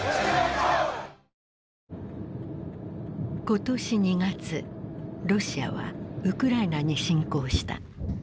今年２月ロシアはウクライナに侵攻した。